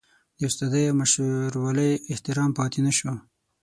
د استادۍ او مشرولۍ احترام پاتې نشو.